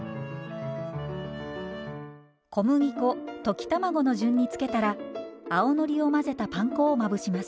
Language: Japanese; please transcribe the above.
小麦粉溶き卵の順に付けたら青のりを混ぜたパン粉をまぶします。